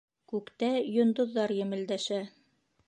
Күктә йондоҙҙар емелдәшә.